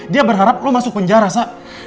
dia berharap lo masuk penjara sak